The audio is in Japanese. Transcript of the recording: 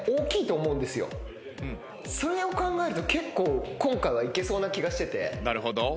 それを考えると結構今回はいけそうな気がしてて。